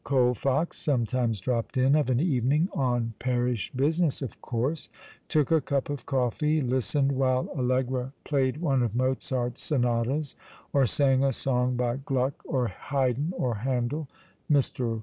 Colfox sometimes dropped in of an evening, on parish business of course, took a cup of coffee, listened while Allegra played one of Mozart's sonatas or sang a song by Gluck or Haydn or Handel. Mr.